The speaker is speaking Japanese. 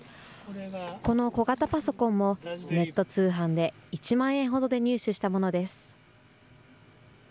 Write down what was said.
この小型パソコンも、ネット通販で１万円ほどで入手したものです。